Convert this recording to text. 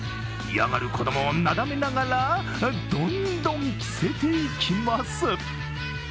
嫌がる子供をなだめながらどんどん着せていきます。